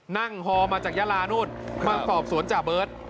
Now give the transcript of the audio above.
นั่งฮอมาจากยารานูนมาขอบสวนจ่าเบิ้ด